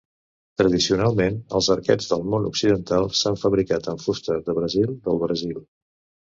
Tradicionalment, els arquets del món occidental s'han fabricat amb fusta de brasil del Brasil.